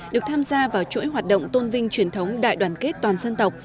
được tham gia vào chuỗi hoạt động tôn vinh truyền thống đại đoàn kết toàn dân tộc